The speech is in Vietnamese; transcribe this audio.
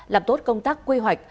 làm tốt công tác quy hoạch